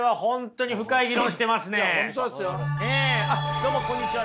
どうもこんにちは。